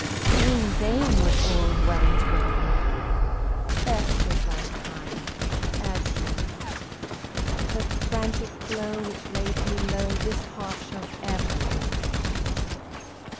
Vain, vain was all Llewellyn's woe; "Best of thy kind, adieu! The frantic deed which laid thee low This heart shall ever rue!"